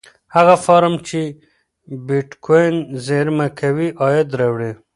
هغه فارم چې بېټکوین زېرمه کوي عاید راوړي.